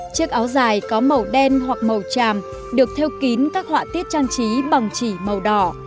chiếc áo dài có màu đen hoặc màu tràm được theo kín các họa tiết trang trí bằng chỉ màu đỏ